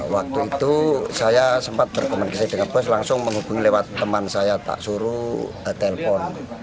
waktu itu saya sempat berkomunikasi dengan bos langsung menghubungi lewat teman saya tak suruh telpon